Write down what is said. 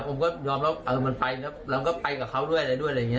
ผมก็ยอมรับมันไปแล้วเราก็ไปกับเขาด้วยอะไรด้วยอะไรอย่างนี้